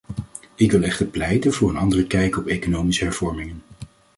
Ik wil echter pleiten voor een andere kijk op economische hervormingen.